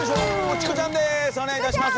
チコちゃんです！